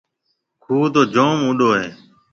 کُوه تو جوم اُونڏو هيَ۔